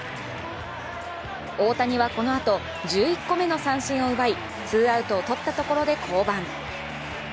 大谷はこのあと、１１個目の三振を奪い、ツーアウトをとったところで降板。